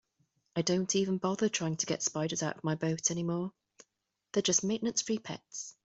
I don't even bother trying to get spiders out of my boat anymore, they're just maintenance-free pets.